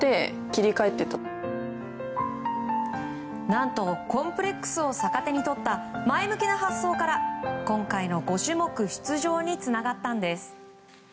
何とコンプレックスを逆手に取った前向きな発想から今回の５種目出場につながったんです。